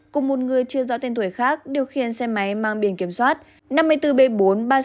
cùng một người chưa rõ tên tuổi khác điều khiển xe máy mang biển kiểm soát năm mươi bốn b bốn trăm ba mươi sáu